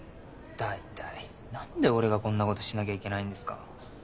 大体何で俺がこんなことしなきゃいけないんですか。